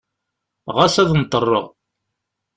Ɣas ad nṭerreɣ.